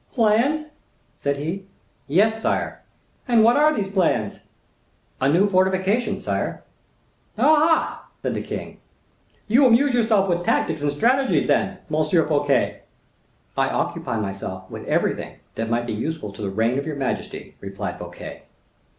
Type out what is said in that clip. "Plans?" said he. "Yes, sire." "And what are these plans?" "A new fortification, sire." "Ah, ah!" said the king, "you amuse yourself with tactics and strategies then, M. Fouquet?" "I occupy myself with everything that may be useful to the reign of your majesty," replied Fouquet.